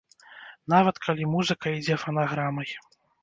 Нават калі музыка ідзе фанаграмай.